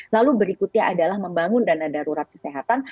lalu berikutnya adalah membangun dana darurat kesehatan